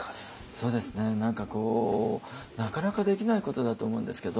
そうですね何かこうなかなかできないことだと思うんですけど